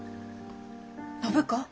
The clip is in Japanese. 「暢子